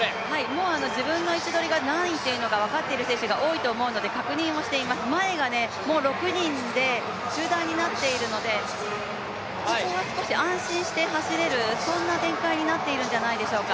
もう自分の位置取りが何位という選手が多いと思うので確認をしています、前がもう６人で集団になっているので、そこは少し安心して走れる、そんな展開になっているんじゃないでしょうか。